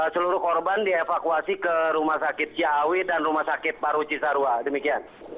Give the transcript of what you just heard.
seluruh korban dievakuasi ke rumah sakit ciawi dan rumah sakit paru cisarua demikian